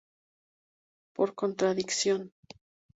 Por contradicción.